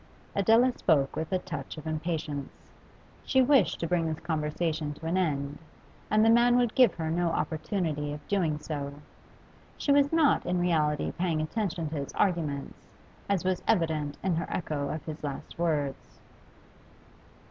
Adela spoke with a touch of impatience. She wished to bring this conversation to an end, and the man would give her no opportunity of doing so. She was not in reality paying attention to his arguments, as was evident in her echo of his last words.